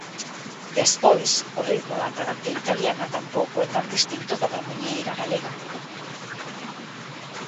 Despois, o ritmo da tarantela italiana tampouco é tan distinto do da muiñeira galega.